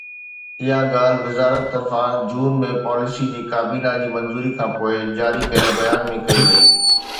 اها ڳالهه وزارت طرفان جون ۾ پاليسي جي ڪابينا جي منظوري کانپوءِ جاري ڪيل بيان ۾ ڪئي وئي